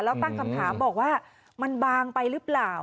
แล้วตั้งคำถามบอกว่ามันบางไปหรือเปล่า